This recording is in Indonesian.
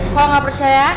kalau gak percaya